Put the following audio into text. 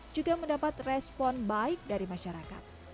juga mendapat respon baik dari masyarakat